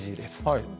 はい。